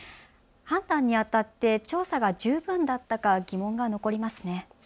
判断にあたって調査が十分だったか疑問が残りますね。